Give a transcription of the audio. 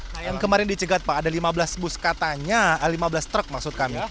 nah yang kemarin dicegat pak ada lima belas bus katanya lima belas truk maksud kami